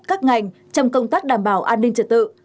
các ngành trong công tác đảm bảo an ninh trật tự